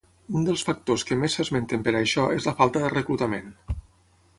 Un dels factors que més s'esmenten per a això és la falta de reclutament.